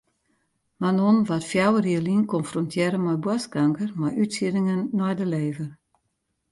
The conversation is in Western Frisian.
Manon waard fjouwer jier lyn konfrontearre mei boarstkanker mei útsieddingen nei de lever.